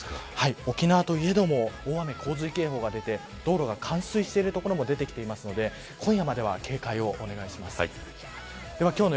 沖縄といえども大雨洪水警報が出て道路が冠水している所も出てきていますので今夜までは警戒をお願いします。